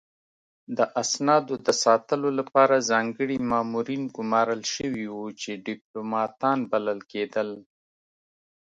د اسنادو د ساتلو لپاره ځانګړي مامورین ګمارل شوي وو چې ډیپلوماتان بلل کېدل